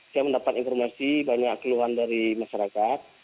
saya mendapat informasi banyak keluhan dari masyarakat